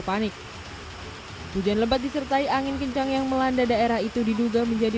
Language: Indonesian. panik hujan lebat disertai angin kencang yang melanda daerah itu diduga menjadi